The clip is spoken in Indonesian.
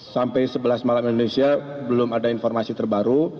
sampai sebelas malam indonesia belum ada informasi terbaru